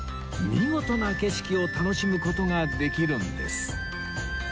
見事な景色を楽しむ事ができるんです